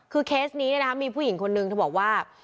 คือเคสนี้มีผู้หญิงคนนึงเธอบอกว่า